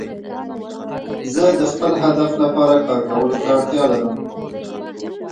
زه د خپل هدف لپاره کار کولو ته اړتیا لرم.